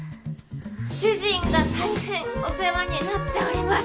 主人がたいへんお世話になっております。